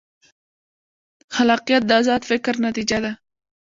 خلاقیت د ازاد فکر نتیجه ده.